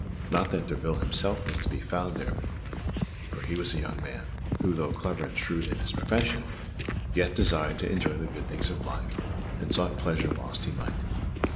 Not that Derville himself was to be found there of an evening; for he was a young man, who, though clever and shrewd in his profession, yet desired to enjoy the good things of life and sought pleasure whilst he might.